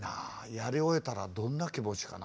やり終えたらどんな気持ちかな？